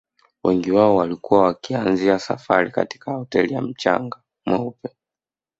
Wengi wao walikuwa wameanzia safari katika hoteli ya mchanga mweupe